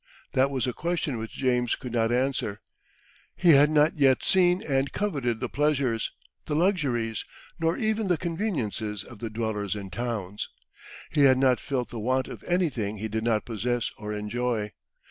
That was a question which James could not answer. He had not yet seen and coveted the pleasures, the luxuries, nor even the conveniences of the dwellers in towns. He had not felt the want of anything he did not possess or enjoy.